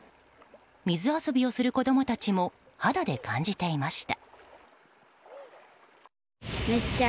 水遊びをする子供たちも肌で感じていました。